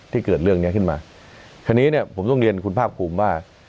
เกิดเรื่องเนี้ยขึ้นมาคราวนี้เนี่ยผมต้องเรียนคุณภาคภูมิว่า